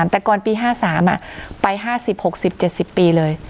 แต่ก่อนปี๕๓ไป๕๐๖๐๗๐ปีเลย